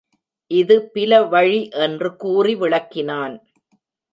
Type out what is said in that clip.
இது பில வழி என்று கூறி விளக்கினான்.